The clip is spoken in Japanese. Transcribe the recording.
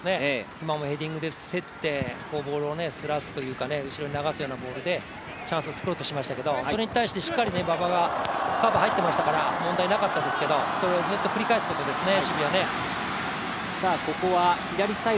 今もヘディングで競って、ボールをそらすというか後ろに流すようなボールでチャンスを作ろうとしましたがそれに対してしっかり馬場がカバー入っていましたから、問題なかったですけど、それをずっと繰り返すことですね。